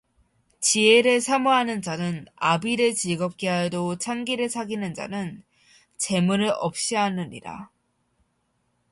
지혜를 사모하는 자는 아비를 즐겁게 하여도 창기를 사귀는 자는 재물을 없이 하느니라